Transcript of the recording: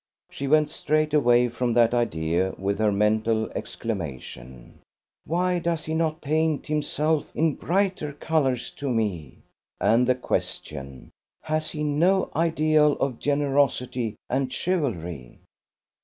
She went straight away from that idea with her mental exclamation: "Why does he not paint himself in brighter colours to me!" and the question: "Has he no ideal of generosity and chivalry?"